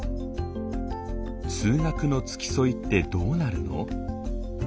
「通学の付き添いってどうなるの？」。